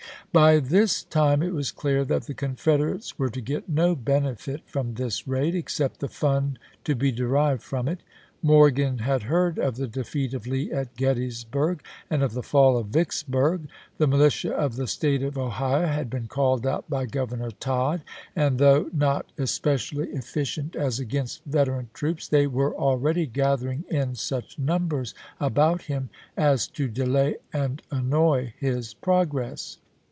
By this time it was clear that the Confederates were to get no benefit from this raid, except the fun to be derived from it. Morgan had heard of the defeat of Lee at Gettysburg and of the fall of Vicks burg ; the militia of the State of Ohio had been called out by Governor Tod, and though not espe THE MAECH TO CHATTANOOGA 57 cially efficient as against veteran troops, they were cuap. hi. already gathering in such numbers about him as to delay and annoy his progress.